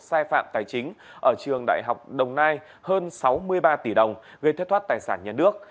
sai phạm tài chính ở trường đại học đồng nai hơn sáu mươi ba tỷ đồng gây thất thoát tài sản nhà nước